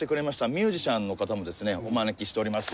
ミュージシャンの方もですねお招きしております。